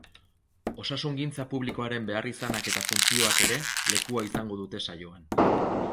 Osasungintza publikoaren beharrizanak eta funtzioak ere lekua izango dute saioan.